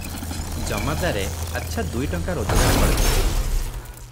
ଜମାଦାରେ ଆଚ୍ଛା ଦୁଇଟଙ୍କା ରୋଜଗାର କରିଥିଲେ ।